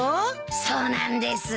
そうなんです。